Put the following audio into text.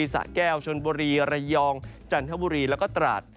สะแก้วชนบุรีระยองจันทบุรีแล้วก็ตราด